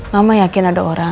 mama yakin ada orang